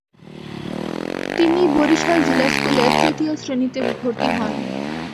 তিনি বরিশাল জিলা স্কুলে তৃতীয় শ্রেণিতে ভর্তি হন।